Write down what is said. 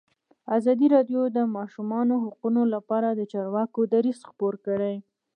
ازادي راډیو د د ماشومانو حقونه لپاره د چارواکو دریځ خپور کړی.